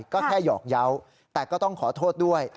ก็แค่หยอกเยาว์แต่ก็ต้องขอโทษด้วย